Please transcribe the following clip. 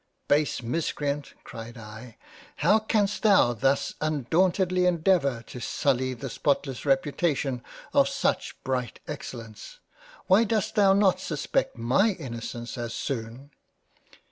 " Base Miscreant ! (cried I) how canst thou thus undauntedly endeavour to sully the spotless reputation of such bright Excellence ? Why dost thou not suspect my innocence as soon